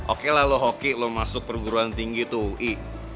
oke lah lo hoki lo masuk perguruan tinggi itu i